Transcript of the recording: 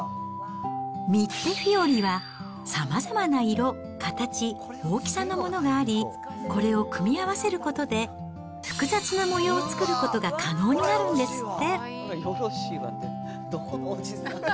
ミッレフィオリはさまざまな色、形、大きさのものがあり、これを組み合わせることで、複雑な模様を作ることが可能になるんですって。